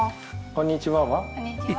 「こんにちは」は？